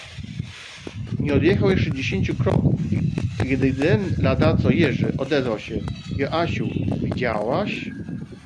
"Nie odjechał jeszcze dziesięciu kroków, kiedy ten ladaco Jerzy, odezwał się: Joasiu, widziałaś?"